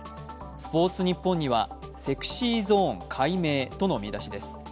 「スポーツニッポン」には、「ＳｅｘｙＺｏｎｅ改名」との見出しです。